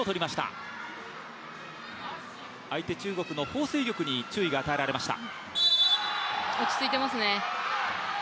相手、中国のホウ倩玉に注意が与えられました。